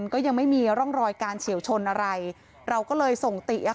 ก็ยังไม่มีร่องรอยการเฉียวชนอะไรเราก็เลยส่งติอ่ะ